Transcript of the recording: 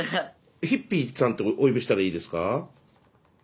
ひっぴーさんってお呼びしたらいいですか？